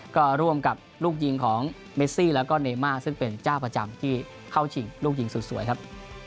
ก็ร่วมกับลูกยิงของเมซี่แล้วก็เนม่าซึ่งเป็นเจ้าประจำที่เข้าชิงลูกยิงสุดสวยครับ